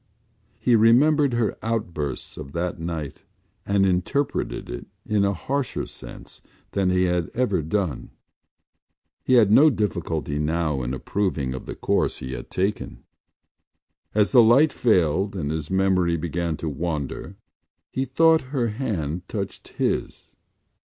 He remembered her outburst of that night and interpreted it in a harsher sense than he had ever done. He had no difficulty now in approving of the course he had taken. As the light failed and his memory began to wander he thought her hand touched his.